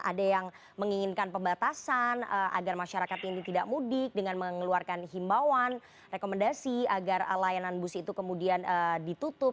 ada yang menginginkan pembatasan agar masyarakat ini tidak mudik dengan mengeluarkan himbawan rekomendasi agar layanan bus itu kemudian ditutup